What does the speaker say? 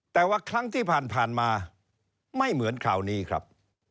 แต่ว่าครั้งที่ผ่านมาไม่เหมือนคราวนี้ครับ